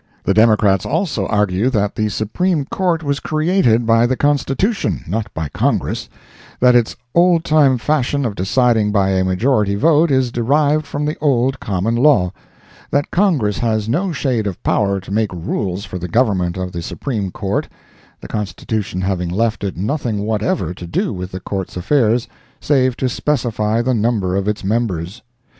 The Democrats also argue that the Supreme Court was created by the Constitution—not by Congress; that its old time fashion of deciding by a majority vote is derived from the old common law; that Congress has no shade of power to make rules for the government of the Supreme Court, the Constitution having left it nothing whatever to do with the Court's affairs save to specify the number of its members.